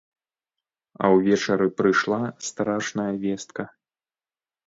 А ўвечары прыйшла страшная вестка.